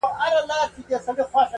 نور په داسي ظالمانو زړه ښه نه کړئ-